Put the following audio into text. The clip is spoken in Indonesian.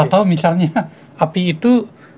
atau misalnya api itu